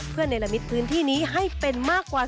เพื่อในละมิตพื้นที่นี้ให้เป็นมากกว่า